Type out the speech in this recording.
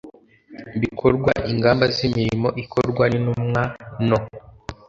bikorwa ingamba z imirimo ikorwa n Intumwa no